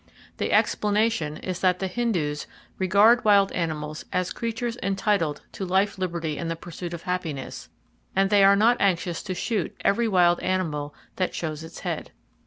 The explanation is that the Hindus regard wild animals as creatures entitled to life, liberty and the pursuit of happiness, and they are not anxious to shoot every wild animal that shows its head.